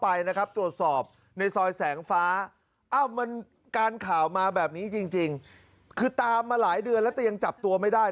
อ้าวมันการข่าวมาแบบนี้จริงคือตามมาหลายเดือนแล้วแต่ยังจับตัวไม่ได้